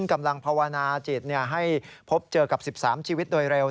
กำลังภาวนาจิตให้พบเจอกับ๑๓ชีวิตโดยเร็ว